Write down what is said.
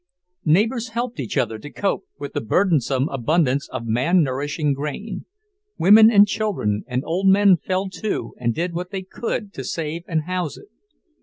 Neighbours helped each other to cope with the burdensome abundance of man nourishing grain; women and children and old men fell to and did what they could to save and house it.